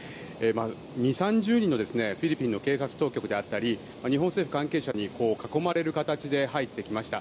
２０３０人のフィリピンの警察当局であったり日本政府関係者に囲まれる形で入ってきました。